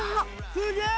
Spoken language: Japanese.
すげえ！